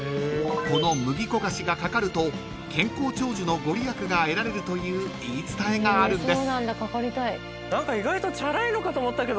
［この麦こがしが掛かると健康長寿の御利益が得られるという言い伝えがあるんです］